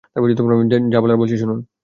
যা বলার বলছি, শুনুন।